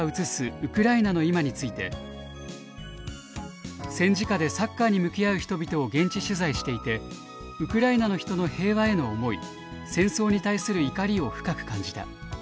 ウクライナのいま」について「戦時下でサッカーに向き合う人々を現地取材していてウクライナの人の平和への思い戦争に対する怒りを深く感じた」